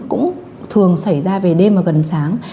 cũng thường xảy ra về đêm và gần sáng